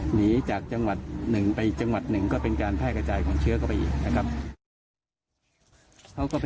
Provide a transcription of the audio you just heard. หนีจากจังหวัดหนึ่งไปอีกจังหวัดหนึ่งก็เป็นการแพร่กระจายของเชื้อเข้าไปอีกนะครับ